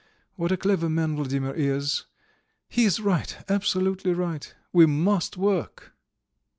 What a clever man Vladimir is! He is right, absolutely right. We must work!"